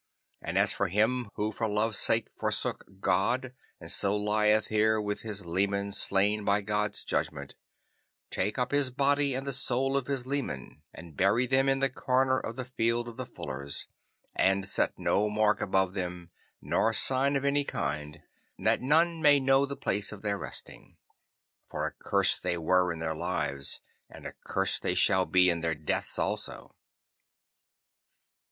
And as for him who for love's sake forsook God, and so lieth here with his leman slain by God's judgment, take up his body and the body of his leman, and bury them in the corner of the Field of the Fullers, and set no mark above them, nor sign of any kind, that none may know the place of their resting. For accursed were they in their lives, and accursed shall they be in their deaths also.